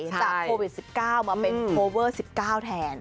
จากโควิด๑๙มาเป็นโคเวอร์๑๙แทน